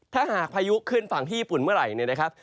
ถ้าหากพายุขึ้นฝั่งที่ญี่ปุ่นเมื่อไหร่เนี่ยนะครับ